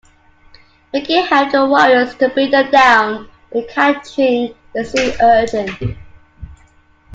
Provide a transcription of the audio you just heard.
Mickey helped the Warriors to bring them down, capturing the Sea Urchin.